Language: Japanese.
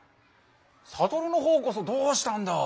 悟のほうこそどうしたんだ？